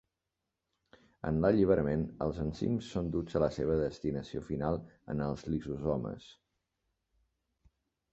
En l’alliberament, els enzims són duts a la seva destinació final en els lisosomes.